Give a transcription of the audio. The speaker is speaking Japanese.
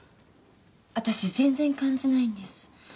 私全然感じないんです。